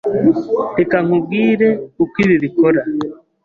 Reka nkubwire uko ibi bikora.